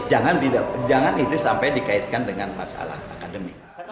jangan itu sampai dikaitkan dengan masalah akademik